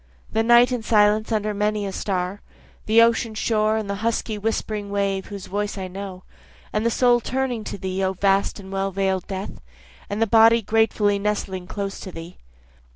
The night in silence under many a star, The ocean shore and the husky whispering wave whose voice I know, And the soul turning to thee O vast and well veil'd death, And the body gratefully nestling close to thee.